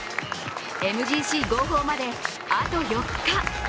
ＭＧＣ号砲まで、あと４日。